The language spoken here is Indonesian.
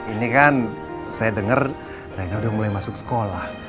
ini kan saya denger reina udah mulai masuk sekolah